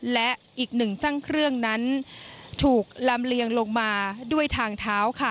และอีกหนึ่งช่างเครื่องนั้นถูกลำเลียงลงมาด้วยทางเท้าค่ะ